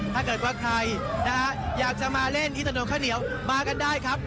ถ้าเกิดว่าใครนะฮะอยากจะมาเล่นที่ถนนข้าวเหนียวมากันได้ครับ